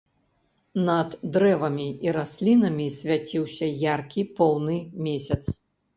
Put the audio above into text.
Над дрэвамі і раслінамі свяціўся яркі поўны месяц.